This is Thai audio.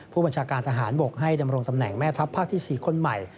ผู้บัญชาการทหารบกให้ดำรงตำแหน่งแม่ทัพภาคที่๔คนใหม่